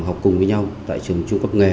học cùng với nhau tại trường trung cấp nghề